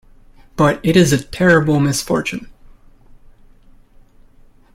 But it is a terrible misfortune.